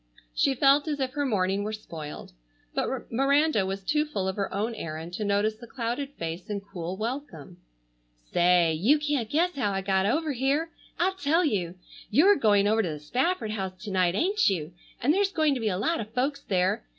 She felt as if her morning were spoiled. But Miranda was too full of her own errand to notice the clouded face and cool welcome. "Say, you can't guess how I got over here. I'll tell you. You're going over to the Spafford house to night, ain't you? and there's going to be a lot of folks there.